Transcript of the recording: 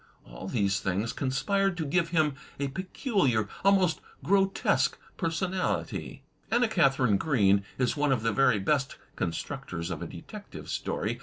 All these things conspired to give him a peculiar, almost grotesque personality. Anna Katharine Green is one of the very best constructors of a detective story.